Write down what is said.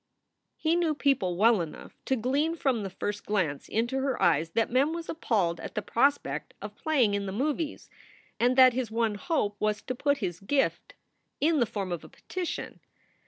He knew people well enough to glean from the first glance into her eyes that Mem was appalled at the prospect of playing in the movies, and that his one hope was to put his gift in the form of a petition.